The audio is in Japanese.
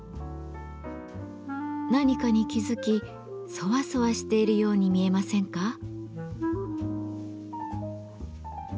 何かに気付きそわそわしているように見えませんか？